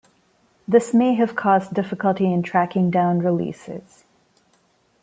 This may have caused difficulty in tracking down releases.